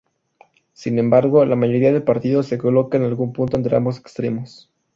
Sin embargo, la mayoría de partidos se coloca en algún punto entre ambos extremos.